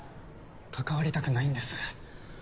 関わりたくないんです。